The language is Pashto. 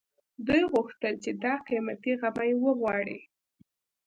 دوی غوښتل چې دا قيمتي غمی وغواړي